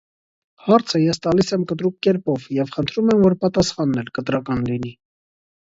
Հարցն ես տալիս եմ կտրուկ կերպով և խնդրում եմ, որ պատասխանն էլ կտրական լինի: